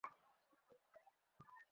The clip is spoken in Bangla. তিনি বললেনঃ গোসত।